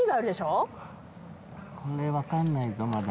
これ分かんないぞまだ。